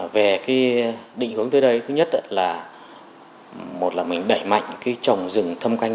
về định hướng tới đây thứ nhất là đẩy mạnh trồng rừng thâm canh